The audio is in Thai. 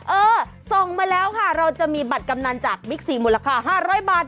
เออส่องมาแล้วค่ะเราจะมีบัตรกำนันจากบิ๊กซีมูลค่า๕๐๐บาท